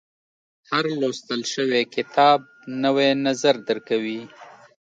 • هر لوستل شوی کتاب، نوی نظر درکوي.